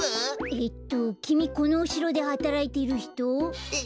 えっときみこのおしろではたらいてるひと？え？